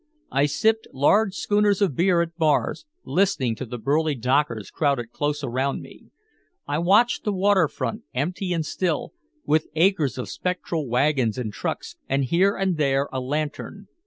I sipped large schooners of beer at bars, listening to the burly dockers crowded close around me. I watched the waterfront, empty and still, with acres of spectral wagons and trucks and here and there a lantern.